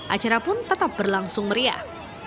acara pun tetap berlangsung meriah